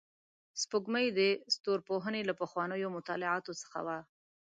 سپوږمۍ د ستورپوهنې له پخوانیو مطالعاتو څخه وه